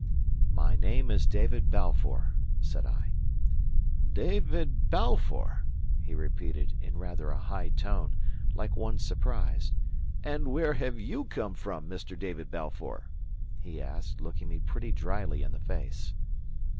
"My name is David Balfour," said I. "David Balfour?" he repeated, in rather a high tone, like one surprised. "And where have you come from, Mr. David Balfour?" he asked, looking me pretty drily in the face.